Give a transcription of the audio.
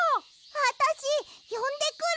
あたしよんでくる！